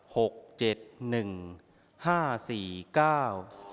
หกเจ็ดหนึ่งห้าสี่เก้า